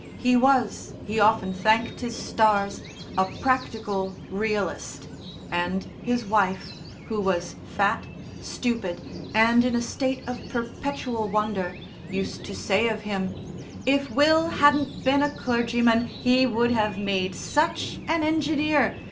He was, he often thanked his stars, a practical Realist, and his wife, who was fat, stupid, and in a state of perpetual wonder, used to say of him, "If Will hadn't been a clergyman he would have made such an engineer.